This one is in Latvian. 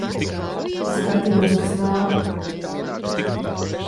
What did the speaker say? Skatījos, kas nāk.